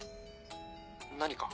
何か？